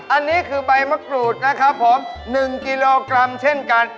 อันนี้คือใบมะกรูดนะครับผม๑กิโลกรัมเช่นกัน